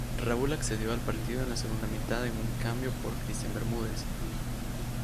Raúl accedió al partido en la segunda mitad en un cambio por Christian Bermúdez.